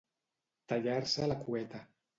Tallar-se la cueta.